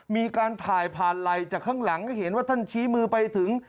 มีการถ่ายผ่านไลน์จากข้างหลังให้เห็นว่าท่านชี้มือไปถึง